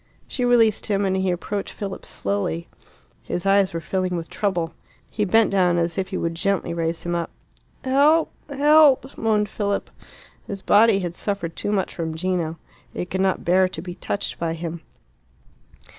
She released him, and he approached Philip slowly. His eyes were filling with trouble. He bent down, as if he would gently raise him up. "Help! help!" moaned Philip. His body had suffered too much from Gino. It could not bear to be touched by him.